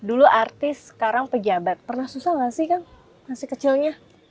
dulu artis sekarang pejabat pernah susah nggak sih kang masih kecilnya